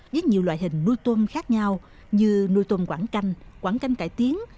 với nhiều loại hình nuôi tôm khác nhau như nuôi tôm quảng canh quảng canh cải tiến